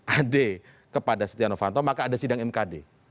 ada adik kepada setianowanto maka ada sidang mkd